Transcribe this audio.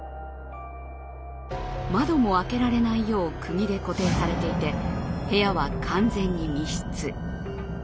窓も開けられないようくぎで固定されていて部屋は完全に密室。